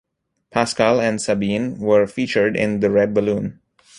Pascal and Sabine were featured in "The Red Balloon".